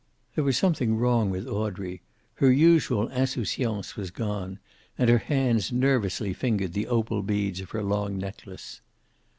There was something wrong with Audrey. Her usual insouciance was gone, and her hands nervously fingered the opal beads of her long necklace.